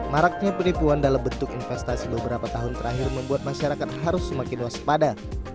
maraknya penipuan dalam bentuk investasi beberapa tahun terakhir membuat masyarakat harus semakin waspada